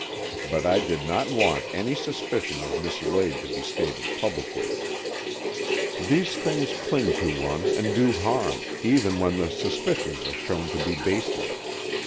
But I did not want any suspicion of Miss Lade to be stated publicly. These things cling to 108 AN EXCHANGE OF SOULS one and do harm, even when the suspicions are shown to be baseless.